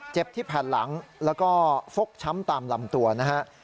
ที่แผ่นหลังแล้วก็ฟกช้ำตามลำตัวนะฮะ